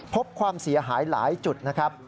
ความเสียหายหลายจุดนะครับ